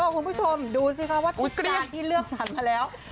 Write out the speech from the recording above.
คุณผู้ชมดูสิคะว่าทุกงานที่เลือกสรรมาแล้ว